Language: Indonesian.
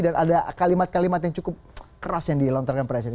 dan ada kalimat kalimat yang cukup keras yang dilontarkan presiden